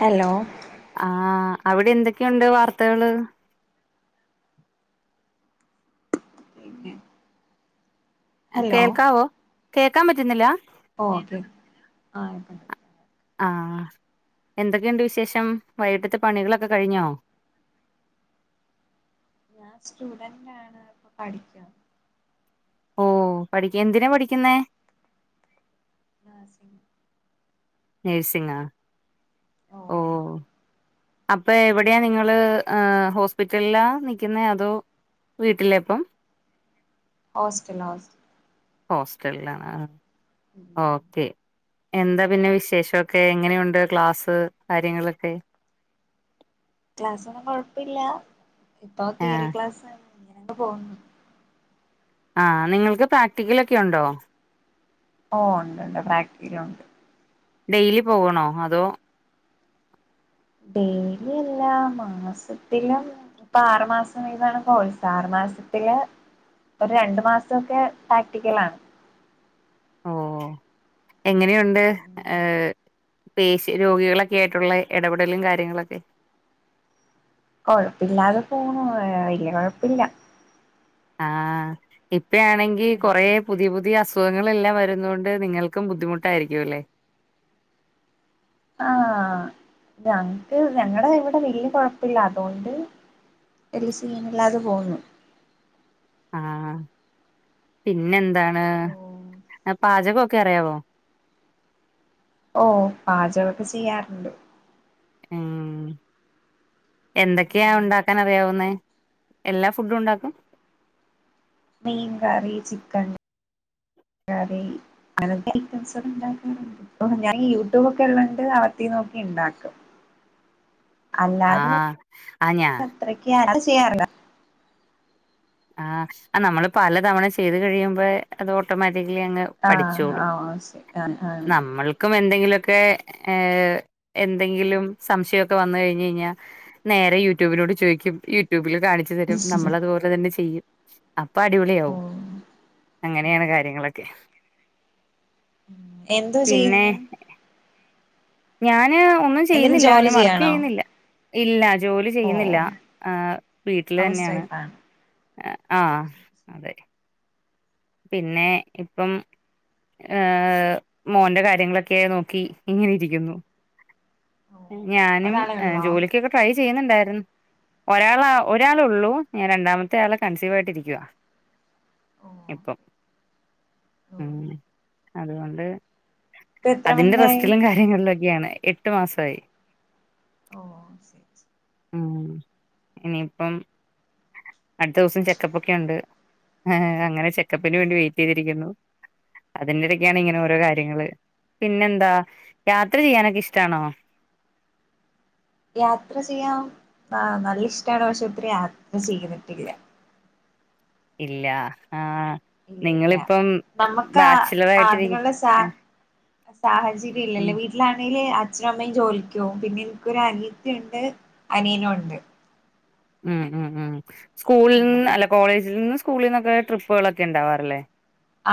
Hello? ആ അവിടെ എന്തൊക്കെയുണ്ട് വാർത്തകള്? കേൾക്കാവോ? കേ ക്കപറ്റുന്നില്ല ഓ ആയിക്ക ആ എന്തൊക്കെയുണ്ട് വിശേഷം. വൈകിട്ടത്തെ പണികളൊക്കെ കഴിഞ്ഞോ? ഞാൻ സ്റ്റുഡന്റ് ആണ്. ഇപ്പൊ പഠിക്ക. ഓ പഠിക്ക. എന്തിനാ പഠിക്കുന്നേ? നാസി നഴ്സിംങാ ഓ അപ്പൊ എവടെ നിങ്ങൾ അ് ഹോസ്പിറ്റൽലാ നിക്ക്ന്നേ അതോ വീട്ടിലേ പ്പം ഹോസ്റ്റലിലാ ഹോസ്റ്റലിലാ ഹോസ്റ്റലിലാണ് ആ. ഓക്കേ എന്താ പിന്നെ വിശേഷൊക്കെ എങ്ങനെയുണ്ട് ക്ലാസ് കാര്യങ്ങളൊക്കെ? ക്ലാസ് ഒന്നും കൊഴപ്പ ഇല്ല. ഇപ്പൊ ആഹ് തിയറി ക്ലാസാണ്. അങ്ങനങ്ങ് പോവുന്നു. ആ നിങ്ങൾക്ക് പ്രാക്റ്റിക്കൽ ഒക്കെ ഉണ്ടോ? ഓ ഉണ്ട് ഉണ്ട്. പ്രാക്ടിക്കലൊണ്ട്. ഡെയിലി പോകണോ അതോ. ഡെയിലി അല്ല. മാസത്തിലും ഇപ്പൊ ആറു മാസം ഇതാണ് കോഴ്സ് ആറു മാസത്തില് ഒരു രണ്ടു മാസം ഒക്കെ പ്രാക്റ്റിക്കൽ ആണ്. ഓ എങ്ങനെയുണ്ട്? ഏഹ് പേഷി രോഗികളൊക്കെ ആയിട്ടുള്ള ഇടപെടലും കാര്യങ്ങളൊക്കെ. കൊഴപ്പില്ലാതെ പോണു. ഏ വലിയ കൊഴപ്പില്ല. ആഹ്... ഇ പ്പഴാണെങ്കിൽ കുറേ ഉം പുതിയ പുതിയ അസു സുഖങ്ങളെല്ലാം വരുന്നത് കൊണ്ട് നിങ്ങൾക്കും ബുദ്ധിമുട്ടായിരിക്കും അല്ലേ. ആഹ്.. ഞങ്ങക്ക് ഞങ്ങടെ ഇവിടെ വല്യ കൊഴപ്പില്ല. അതുകൊണ്ട് വല്ല്യ സീനില്ലാതെ പോവുന്നു. ആഹ്.. പിന്നെ എന്താ ഏഹ്. പാചകൊ ക്കെ അറിയാവോ? ഓ പാചകമൊക്കെ ചെയ്യാറുണ്ട്. എം എന്തൊക്കെയാ ഉണ്ടാക്കാൻ അറിയാവുന്നെ? എല്ലാ ഫുഡും ഉണ്ടാക്കും മീൻ കറി ചിക്കൻ കറി അങ്ങതെ എറ്റെം സൊക്കെ ഇണ്ടാക്കാറുണ്ട് ഇപ്പൊ ഞാൻ യൂട്യൂബ് ഒക്കെ ഉള്ളണ്ട് അവത്തി നോക്കി ഇണ്ടാക്കും അല്ലാതെ ആഹ് ആ ഞാ അത്രക്ക് അല്ലാതെ ചെയ്യാറില്ല ആഹ നമ്മള് പല തവണ ചെയ്ത് കഴിയുമ്പോ അത് ഓട്ടോമാറ്റി- ക്കിലിഅങ് ആഹ് പഠിച്ചോളും ആഹ് ശരി ആഹ് ആഹ് നമ്മൾക്കും എന്തെങ്കിലും- ക്കെ എന്തെങ്കിലും സംശയൊക്കെ വന്ന കഴിഞ്ഞഴിഞ്ഞാൽ നേരെ യൂട്യൂബിനോട് ചോദിക്കും യൂട്യൂബിൽ കാണിച്ചു തരും നമ്മളതുപോലെ തന്നെ ചെ ചെയ്യുംഅപ്പൊ അടിപൊളിയ ആാവും ഓഹ് അങ്ങനെയാണ് കാര്യങ്ങളൊക്കെ എന്തോ ചെയ്യുന്ന് ഞാൻ ന് ഒന്നും എന്തേലും ചെയ്യുന്നില്ല ജോലി ഞാൻ ചെയ്യാണോ വർക്കയ്യിന്നില്ല. ഇല്ലാ ജോലി ചെയ്യുന്നില്ല ഓഹ് ആ വീട്ടില് ഹൗസ് തന്നെയാണ് വൈഫാണ് ആഹ അതെ [unintelligible] പിന്നെ ഇപ്പം ഏർ മോറെ കാര്യങ്ങളൊക്കെ നോക്കി ഇങ്ങനെ ഇരിക്കുന്നു ഓ ഞാനും ഒരാളെ ഉള്ളോ ജോലിക്കക്ക്ൊക്കെ ട്രൈ ചെയ്യുന്നുണ്ടായിരുന്നു ഒരാൾ ഒരാള ഉള്ളൂ ഞാൻ രണ്ടാമത്തെ ആളെ കൺസീവ ആയിട്ട്ിരിക്കുക ഓ ഇപ്പൊ ഓ ഉം അതുകൊണ്ട് ഇപ്പ എത്ര അതിന്റെ മന്തായി വസ്റ്റിലും കാര്യങ്ങളിലും ഒക്കെയാണ് എട്ട് മാസം സ ഓ ശരിരി ഉ ഇനിപ്പം അടുത്ത ദിവസം ചെക്കപ്പൊക്കെ ഉണ്ട് അങ്ങെ ഉം ചെക്കപ്പന് വേണ്ട വെയിറ്റ് ചെയ്തിരിക്കുന്നു അതിന്റെ ഇടയ്ക്കാണ് ഉം ഇങ്ങനെ ഓരോ കാര്യങ്ങള് പിന്നെന്താ യാത്ര ചെയ്യാനൊക്കെ ഇഷ്ടാണോ യാത്ര ചെയ്യൻ നല്ല ഇഷ്ടമാണ് പക്ഷെ ഒത്തിരി യാത്ര ചെയ്യുന്നിട്ടില്ല ഇല്ല ആഹ് ഇല്ലില്ല നമ്മുക്ക ബാച്ചിലർ ആയിട്ടിരിക്ക അതിനുള്ള സാ ഏഹ്. സാഹജ ഉം ശരില്ലേ വീട്ടിലാണേല് അ അച്ഛനും അമ്മയും ജോലിക്കവും പിന്നെ എനിക്കൊരു അനീത്തിണ്ട് അനിയ നുണ്ട് ഉം ഉം ഉം സ്കൂളിൽ ആഹ് നിന്ന് അല്ല കോളേജിൽ നിന്ന് സ്കൂളിന്നൊക്കെ ട്രിപ്പുകളൊക്കെ ഉണ്ടാവാറില്ലേ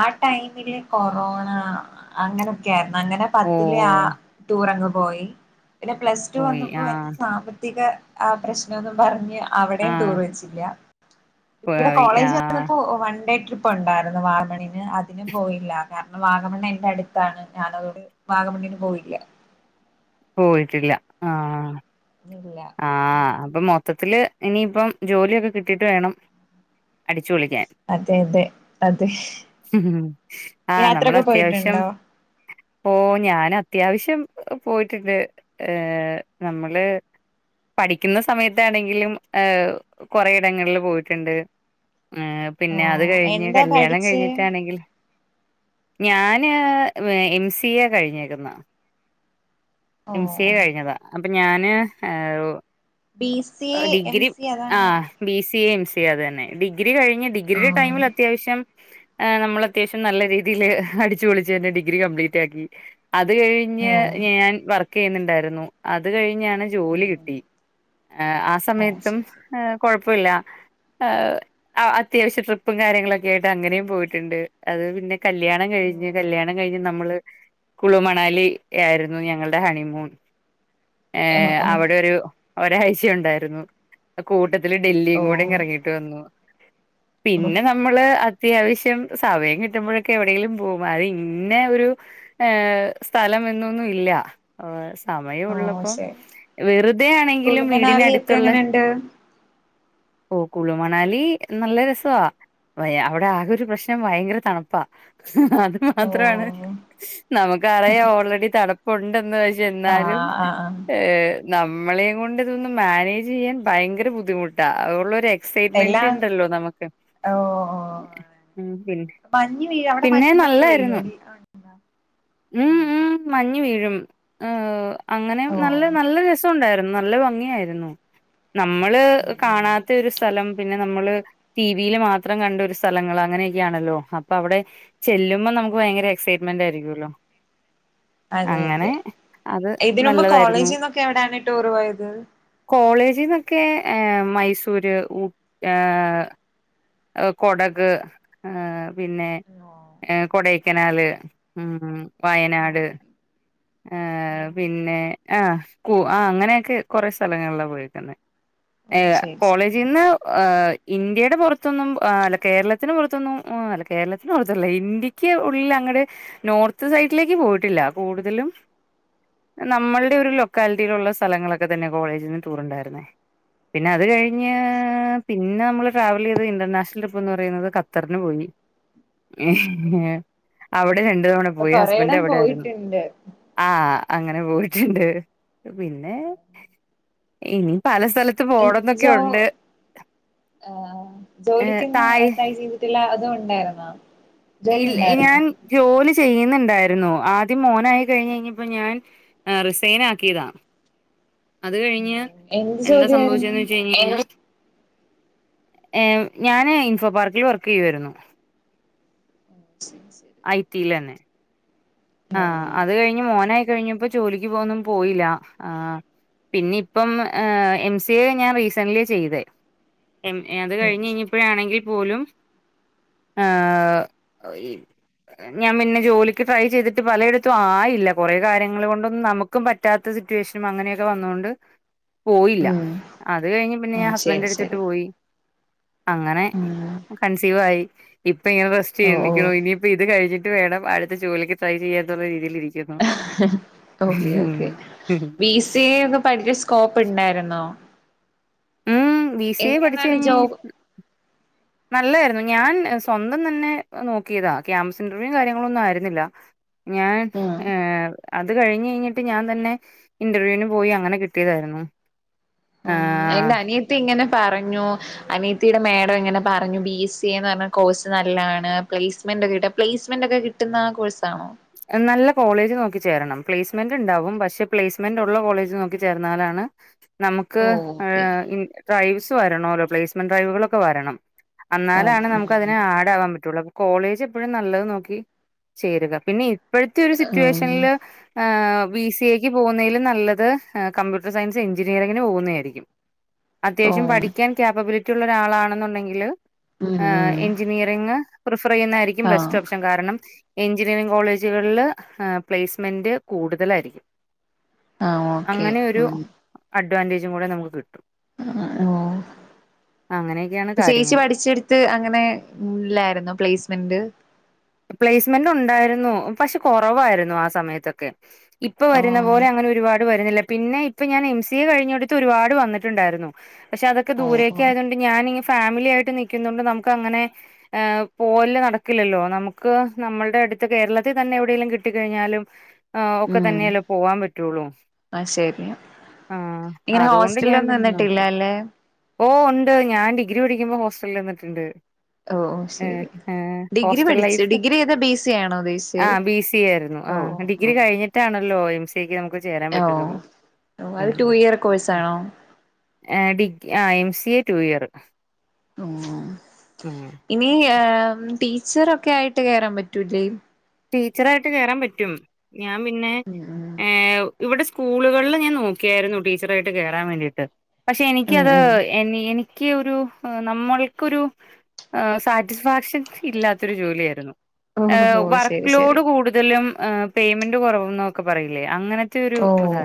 ആ ടൈമില് കൊറോണ അങ്ങനൊക്കെ ആയിരുന്നു അങ്ങനെ ഓ പത്തിലെ ആ ടൂറങ്ങ് പോയി പിന്നെ പ്ലസ് ടു പോയി വന്നപ്പോൾ ആ എന്റെ സാമ്പത്തിക ആ പ്രശ്നൊന്നും പറഞ്ഞ് അവടെയും ആഹ് ടൂറ് വെച്ചില്യ ഇവിടെ പോയി കോളേജ് ആഹ് വന്നപ്പോ വൺ ഡേ ട്രിപ്പൊണ്ടായിര്ന്ന് വാഗമൺ അതിനും പോയില്ല. കാരണം വാഗമണ്ണ് എന്റെ അടുത്താണ് ഞാനതോണ്ട് വാഗമണ്ണിന് പോയില്ല. പോയിട്ടില്ല ആഹ് ഇല്ല ആഹ് അപ്പൊ മൊത്തത്തില് ഇനിയിപ്പം ജോലിയൊക്കെ കിട്ടീട്ട് വേണം അടി മറ്റേത് മറ്റെഹ് യാത്രെക്കെ പോയിട്ട്ണ്ടോ ഓഹ് ഞാൻ അത്യാവശ്യം പോയിട്ടിണ്ട് ഏഹ് നമ്മള് പഠിക്ക്ന്ന സമയത്താണെങ്കിലും ഏഹ് കൊറെ ഇടങ്ങൾല് പോയിട്ട്ണ്ട് ഏഹ് ഓ പിന്നെ അത് കെഴിഞ്ഞ് എന്താ കല്യാണം പഠിച്ചേ കെഴിഞ്ഞിട്ടാണെങ്കിൽ ഞാന് ഉം എ എം സി എ കഴിഞ്ഞേക്ക്ന്ന് ഓ എം സി എ കഴിഞ്ഞതാ. അപ്പൊ ഞാന് ഏഹ് B C A M degree C അതാണോ ആഹ് ബി സി എയും ചെയ്യത് തന്നെ ഡിഗ്രി ഡ്രിഗ്രി കഴിഞ്ഞ് ഓ ഡിഗ്രിടെ ടൈമ് ല് അത്യാവിശ്യം ആഹ് നമ്മള് അത്യാവശ്യം നല്ല രീതിയില് ഹടിച്ചുപൊളിച്ച് തന്നെ ഡിഗ്രി കംപ്ലീറ്റാക്കി അത് കെഴിഞ്ഞ് ഓ ഞാൻ ക്ക് ചെയ്യുന്നുണ്ടാരുന്നു അത് കഴിഞ് ഞാണ് ജോലി ഉം കിട്ടി ആഹ് ആ ഉം ഓ സമയതും ശരി ശരി ഏഹ് കൊഴപ്പ പ്പ്ല്ല ആഹ് അത്യാവശ്യ ട്രിപ്പും കാര്യങ്ങളക്കെ ആയിട്ട് അങ്ങനേം പോയിട്ടുണ്ട് അത് പിന്നെ കല്യാണം കഴിഞ്ഞ് ഓ കല്യാണം കഴിഞ്ഞ് നമ്മള് കുളുമണാലി ആരുന്നു ഞങ്ങള് ടെ ഹണിമൂൺ ഏഹ് ഓ അവിടൊരു ഒരാഴ്ച ഓണ്ടാരുന്നു കൂട്ടത്തി ഇതില് ഡെല്ലിം ഓ കൂടെ കറങ്ങിട്ട് വന്നു ഓ പിന്നെ നമ്മള് അക് അത്യാവശ്യം സമയം കിട്ടുമ്പോഴൊക്കെ എവിടെങ്കിലും പോകും അത് ഇന്നെ ഒരു ഏഹ് സ്ഥലം എന്നൊന്നും ഇല്ല അവേസ് ഓ സമയൊള്ളപ്പം ശരി വെറുതെ ആണെങ്കിലും കുളുമണാലി ഒക്കെ വീടിനടുത്തുള്ള എങ്ങനെയുണ്ട് ഓഹ് കുളുമണാലി നല്ല രസവാ അവിടെ ആകെ ഒരു പ്രശ്നം ഭയങ്കര തണുപ്പാ അത് ഓ മാത്രമാണ് നമക്ക്റിയാം ഓൾറെഡി തണ്പ്പ ഉണ്ട് എന്ന എന്നാലും ആഹ് ആഹ് ആഹ് ഏഹ് നമ്മളേം കൊണ്ട് ഇതൊന്ന് മാനേജ് ചെയ്യാൻ ഭയങ്കര ബുദ്ധിമുട്ടാ അതുള്ളോരെ എല്ലാം സയ്മെന്റ്ണ്ടല്ലോ നമക്ക് ഓ ഓ എഹ് ഉം പിന്നെ മഞ്ഞ് വീഴ അവിടെ പിന്നെ മഞ്ഞൊക്കെ വീഴോ നല്ലാരുന്നു ഇനി ഉണ്ടോ? മ് മ് മഞ്ഞ് വീഴ് മ് ആഹ് അങ്ങനെ ഓ നല്ല നല്ല രസം ഉണ്ടാരുന്നു നല്ല ഭംഗിയായിരുന്നു നമ്മള് ഉം ഉം കാണാത്ത ഒരു സ്ഥലം പിന്നെ നമ്മള് ടിവിയില് മാത്രം കണ്ട ഒരു സ്ഥലങ്ങൾ അങ്ങനെയൊക്കെയാണല്ലോ അപ്പൊ അവിടെ ചെല്ലുമ്പോ നമുക്ക് ഭയങ്കര എക്സൈറ്റ്മെന്റ് ആയിരിക്കുമല്ലോ അതെ അങ്ങനെ അതെ അത് ഇതിനുമ്പ് നല്ലതായിരുന്നു കോളേജിന്നൊക്കെ എവിടാണ് ടൂറ് പോയത് ഇതിന്നൊക്കെ ഏഹ് മൈസൂര് ഊട്ട് ഏഹ് കൊടക് ഏഹ് പിന്നെ ഓ ഏഹ് കൊടെ കനാല് ഉം ഓ വയനാട് ഏഹ് പിന്നെ ആഹ് കു ആഹ് അങ്ങനെക്കെ കൊറെ സ്ഥലങ്ങളിലാ പോയെക്കുന്നെ ഏ ഓ ശരി ശരി കോളേജിന്ന് ആ ഇന്ത്യയുടെ പുറത്തൊന്നും അല്ല കേരളത്തിന് പുറത്തൊന്നും അല്ല കേരളത്തിന് പുറത്തല്ല ഇന്ത്യക്ക് ഉള്ളിൽ അങ്ങടെ നോർത്ത് സൈഡിലേക്ക് പോയിട്ടില്ല. കൂടുതലും നമ്മളുടെ ഒരു ലൊക്കാലിറ്റിയിലുള്ള സ്ഥലങ്ങളൊക്കെ തന്നെ കോളേജിൽ നിന്ന് ടൂർ ഉണ്ടായിരുന്നേ. പിന്നെ അത് കഴിഞ്ഞ് പിന്നെ നമ്മള് ട്രാവൽ ചെയ്തത് ഇന്റർനാഷണൽ ട്രിപ്പ് എന്ന് പറയുന്നത് ഖത്തറിന് പോയി. [unintelligible] അവിടെ ര അപ്പൊ കൊറെയിടംപോയിട്ടുണ്ട്. ആ അങ്ങനെ പോയിട്ടുണ്ട്. പിന്നെ ഇനി പല സ്ഥലത്ത് ജോ പോണംന്നൊക്കെ ഉണ്ട് ആ ഏഹ് ജോലിക്കൊന്നും തായ് ട്രൈ ചെയ്തിട്ടില്ല. അതോ ഒണ്ടായിരുന്നോ? ഇല ഞാൻ ജോലി ചെയ ചെയ്യുന്നുണ്ടായിരുന്നു. ആദ്യം മോനായി കഴിഞ്ഞ കഴിഞ്ഞപ്പോ ഞാൻ റിസൈൻ ആക്കിയതാ. അത് കഴിഞ്ഞ് ഉം എന്ത് എന്താ ജോലിയായിരുന്നു സംഭവിച്ചെന്ന് വെച്ച് ഉം കഴിഞ്ഞല് ഏ ഞാന് ഇൻഫോപാർക്കിൽ വർക്ക് ചെയ്യുവായിരുന്നു. ശരി ശരി ഐ റ്റി യില് തന്നെ. ആ ഉം അത് കഴിഞ്ഞ് മോനായി. കഴിഞ്ഞപ്പോ ജോലിക്ക് പോകൊന്നും പോയില്ല. ആ പിന്നെ ഇപ്പം എം. സി. എ. ഞാൻ റീസന്റ്ലി ചെയ്ത് അത് ഉം കഴിഞ്ഞഞ് കഴിഞ്ഞപ്പോഴാണെങ്കിൽ പോലുംആ ഞാൻ പിന്നെ ജോലിക്ക് ട്രൈ ചെയ്തിട്ട് പലയിടത്തും ആയില്ല കുറെ കാര്യങ്ങൾ കൊണ്ടൊന്നും നമുക്കും പറ്റാത്ത സിറ്റുവേഷനും അങ്ങനെയൊക്കെ വന്നൊണ്ട് പോയില്ല ഉം അത് കഴിഞ്ഞ് പിന്നെ ഞാൻ ഉം ശരി ഹസ്ബൻഡിന്റെഅടുത്തോട്ട് ശരി പോയി. അങ്ങനെ ഉം കൺസീവായി ഇ പ്പ ഇങ്ങനെ റസ്റ്റ് ഓ ഓ ചെയ്യേണ്ടരിക്കണോ ഇനി പ്പ ഇത് കഴിഞ്ഞിട്ട് വേണം അടുത്ത ജോലിക് ട്രൈചെയ്യാ ന്നുള്ള രീതില് ഇരിക്കുന്നു okay okay B C A ഒന്ന് [unintelligible] പ്പണ്ടായിരുന്നോ ഉം ബി സി എ പഠിച്ച് കഴിഞ് ജോബ് നല്ലായിരുന്നു ഞാൻ സ്വന്തം തന്നെ നോക്കിയതാ ക്യാമ്പസ് ഇന്റർവ്യൂ കാര്യങ്ങളൊന്നും ആയിരുന്നില്ല ഞാൻ ഉം ഏ അത് കഴിഞ് കഴിഞ്ഞിട്ട് ഞാൻ തന്നെ ഇന്റർവ്യൂന് പോയി അങ്ങനെ കിട്ടിയതായിരുന്നു എന്റെ ആഹ് അനിയത്തി ഇങ്ങനെ പറ ഞ്ഞു അനിയത്തിയുടെ മേഡം ഇങ്ങനെ പറഞ്ഞു ബി സി എ എന്ന കോഴ്സ് നല്ലാണ് പ്ലേസ്മെന്റോക്കെ കിട്ടും പ്ലേസ്മെന്റ് ഒക്കെ കിട്ടുന്ന കോഴ്സ് ആണോ? നല്ല കോളേജ് നോക്കി ചേരണം പ്ലേസ്മെന്റ് ഉണ്ടാവും പക്ഷെ പ്ലേസ്മെന്റ് ഉള്ള കോളേജ് നോക്കി ചേർന്നാലാണ് നമുക്ക് ഹേ ഓക്കെ ഡ്രൈവ് വരണോല്ലോ പ്ലേസ്മെന്റ് ഡ്രെവുകളൊക്കെ വരണം ഓ അന്നാലാണ് നമുക്ക് ഉം അതിന് ആഡ് ആവാൻ പറ്റൊളളു കോളേജ് എപ്പോഴും നല്ലത് നോക്കി ചേരാ പിന്നെയ് ഇപ്പോഴത്തെ ഒരു സിറ്റുവേഷൻല് ഹേ ബി സി ഏക്ക് പോകുന്നതിലും നല്ലത് കമ്പ്യൂട്ടർ സയൻസ് എഞ്ചിനീയറിങ്ങിന് പോകുന്നയിരിക്കും ഓ അത്യാവശ്യം ഉം പഠിക്കാൻ [unintelligible] റ്റുള്ള ഒരാളാണെന്നുണ്ടെങ്കില് ആ ഉം എൻജ്നിയറിങ് പറയുന്നായിരിക്കും ബെസ്റ്റ് ആഹ് ഓപ്ഷൻ കാരണം [unintelligible] എഞ്ജിനറിംഗ് കോളേജുകള്ള് പ്ലേസ്മെന്റ് കൂടുതലായിരിക്കും ആ ഓക്കെ ഉം കണ്ടീഷ കൂടെ നമുക്ക് കിട്ടും അഹാ ഓ അങ്ങനെയൊക്കെയാണ് ചേച്ചി കാര്യങ്ങള് പഠിച്ചെടുത്ത് അങ്ങനെല്ലായിരുന്നോ പ്ലേസ്മെന്റ് പ്ലേസ്മെന്റ് ഉണ്ടായിരുന്നു പക്ഷെ കുറവായിരുന്നു ആ സമയത്തൊക്കെ ഇപ്പൊ ഓ വരുന്ന പോലെ അങ്ങനെ ഒരുപാട് വരുന്നില്ല പിന്നെ ഇപ്പൊ ഞാൻ എം സി എ കഴിഞ്ഞടുത്ത് ഒരു പാട് വന്നിട്ടുണ്ടായിരുന്നു പക്ഷെ അതൊ ക്കെ ഓ ദൂരേക്ക് ഓ ആയതുകൊണ്ട് ഞാന് ഫാമിലി ആയിട്ട് നിക്കുന്നൊണ്ട് നമുക്ക് അങ്ങനെ ഹ് പോരല് നടക്കില്ലല്ലോ നമു ക്ക് നമ്മൾടെ അടുത്ത് കേരളത്തിൽ തന്നെ എവിടെങ്കിലും കിട്ടിക്കഴിഞ്ഞാലും ഹ് ഒക്കെ ഉം തന്നെയല്ലോ പോകാൻ പറ്റുള്ളൂ ആഹ് ശരി ആ ഇങ്ങനെ അതുകൊണ്ട് ഞാൻ ഹോസ്റ്റലിലൊന്നും പിന്നെ നിന്നിട്ടില്ല നോക്കി അല്ലേ ഓ ഉണ്ട് ഞാൻ ഡി ഡിഗ്രി പഠിക്കുമ്പോ ഓസ്റ്റലിൽ നിന്നട്ടുണ്ട് ഒ ഓ ശരി ഡിഗ്രി പഠിച്ചു ഡിഗ ആ ബി സി എ ആയിരുന്നു ആ ഓ ഡിഗ്രി ഓ കഴിഞ്ഞിട്ടാണല്ലോ. ഓ എം സി എ ക്ക് ഇപ്പൊ ചേരാൻ ഓ പറ്റിയതൊള്ളൂ ഓ ഉം അത് ടു ഇയർ കോഴ്സാണോ ഏ ഡിക് ഏ സി എ ടു ഇയർ. ആ ഇനി ഏ ഉം ടീച്ചറൊക്കെ ആയിട്ട് കേറാൻ പറ്റൂ ലെ. ടീച്ചറായിട്ട് കേറാൻ പറ്റും. ഞാൻ പിന്നെ ഉം ഏഹ ഇവിടെ സ്കൂളുകളിൽ ഞാൻ നോക്കിയായിരുന്നു ടീച്ചറായിട്ട് കേയറാൻ വേണ്ടിയിട്ട്. പക്ഷെ ഉം എനിക്കത് ഉം എനി എനി ഇക്ക് ഒരു നമ്മൾക്കൊരു സാറ്റിസ്ഫാക്ഷൻ ഇല്ലാത്തൊരു ജോലിയായിരുന്നു. ഓ ഹൊ ഏഹ് ഓ ശരി. വർക്ക് ശരി ലോഡ് കൂടുതലും. ആഹ് പേയ്മെന്റ് കുറവുന്നൊക്കെ പറയുല്ലേ അങ്ങനെ ത്തൊരു ഓ ഇത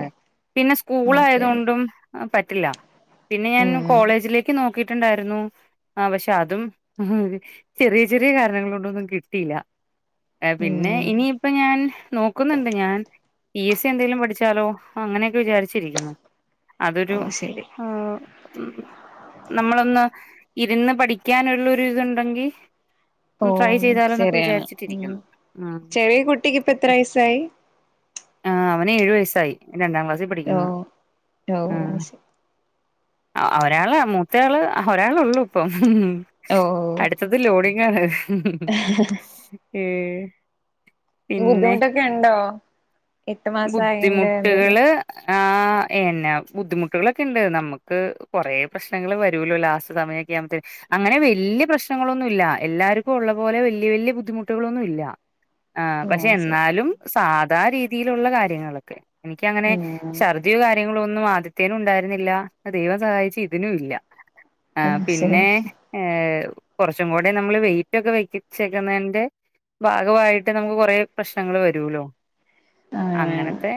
പിന്നെ സ്കൂൾ ഓക്കെ ആയതൊണ്ടും. ആഹ് പറ്റില്ല. പിന്നെ ഞാൻ ഉം കോളേജിലേക്ക് നോക്ക് ക്കീട്ടണ്ടാരുന്നു ആഹ് പക്ഷെ അതും ചെറിയ ചെറിയ കാരണങ്ങളോണ്ടൊന്നും കിട്ടീല്ല പിന്നെ ഉം ഇനിയിപ്പ ഞാൻ നോക്കുന്നൊണ്ട് ഞാൻ പി എസ് സി എന്തേലും പഠിച്ചാലോ അങ്ങനെ. വിചാരിച്ചിരിക്കുണു അതൊരു ഓ ശരി നമ്മളൊന്ന് ഇരന്ന് പഠിക്കാനൊള്ളൊരു ഇതൊണ്ടെങ്കി ഓ ട്രൈ ചെയ്താലോന്നൊക്കെ ശരിയാണ് ഉം വിചാരിച്ചിട്ടിരിക്കുന്നു. ഉം ചെറിയ കുട്ടിക്ക് ഇപ്പ എത്രെസ്സായി ആഹ് അവന് ഏഴുവയസ്സായി. രണ്ടാം ക്ലാസ്സിപഠിക്കുന്നു ഉം. ഓ ശരി ഒരാള് മൂത്തയാള് ഒരാളൊള്ളു ഇപ്പൊ ഓ അടുത്തത് ലോഡിങ്ങാണ് ഏഹ് പിന്നെ ബുദ്ധിമുട്ടൊക്കെ ഇണ്ടോ എട്ടു മാസം ആയേറ്റെ എന്തേലു ബുദ്ധിമുട്ടുകള് ആഹ് എന്നാ ബുദ്ധിമുട്ടുകളൊക്കെണ്ട് നമ്മക്ക് കൊറേ പ്രശ്നങ്ങള് വരൂല്ലോ ലാസ്റ്റ് സമയൊക്കെ ആവുമ്പത്തേന് അങ്ങനെ വല്യ പ്രശ്നങ്ങളൊന്നുല്ല എല്ലാര്ക്കും ഒള്ള പോലെ വല്യ വല്യ ബുദ്ധിമുട്ടുകളൊന്നും ഇല്ല ആഹ് ഓ പക്ഷെ ശരി എന്നാലും സാധാ രീതി- രീതിലൊള്ള കാര്യങ്ങളൊക്കെ എനിക്കങ്ങനെ ഉം ശർദ്ദിയോ കാര്യങ്ങളോ ഒന്നും ആ- അദ്യത്തേനും ഉണ്ടാരുന്നില്ല ദൈവം സഹായിച്ച് ഇതിനും ഇല്ല ആഹ് ശരി പിന്നെ ഏഹ് കൊറച്ചും കൂടെ നമ്മള് വെയിറ്റ് ഒക്കെ വെക്കിച്ചേക്കുന്നേന്റെ ഭാഗവായിട്ട് നമുക്ക് കുറെേ പ്രശ്നങ്ങൾ വരൂല്ലൊ ആ അങ്ങനത്തെ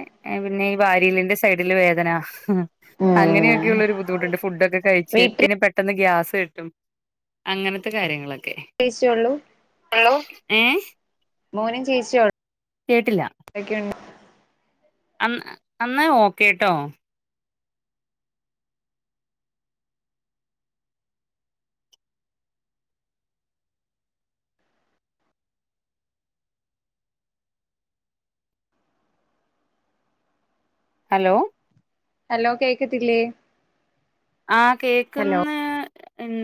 പിന്നെ വാരിയലിന്റെ സൈഡില് വേദന ഉം ഉം അങ്ങനെയൊക്കെയുള്ള ഒരുബുദ്ധിമുട്ടൊണ്ട് ഫുഡൊക്കെ കഴിച്ച് വീട്ടിൽ പിന്നെ പെട്ടെന്ന് ഗ്യാസ് കെട്ടും അങ്ങനത്തെ കാര്യങ്ങളൊക്കെ- ക്കെ അറിയിച്ചോളൂ ഹലോ ഏഹ് മോനും ചേച്ചിയേള്ളോ ആഹ് അന്ന അന്ന ഓക്കെട്ടോ ഹലോ ഹലോ കേക്കത്തില്ലേ ആ ഹലോ കേക്ക്ന്ന് എന്ത്